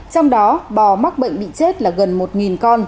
trong đó bò mắc bệnh bị chết là gần một con